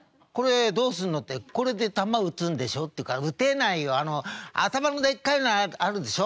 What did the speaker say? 「これで球打つんでしょ？」って言うから「打てないよ。頭のでっかいのあるでしょ？